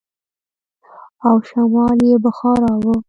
او شمال يې بخارا و.